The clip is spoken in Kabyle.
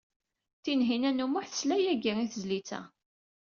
Tinhinan u Muḥ tesla yagi i tezlit-a.